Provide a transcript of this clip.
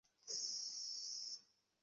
যে বাবা তোমাকে জীবন দিয়েছে।